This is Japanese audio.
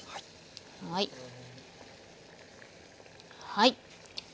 はい。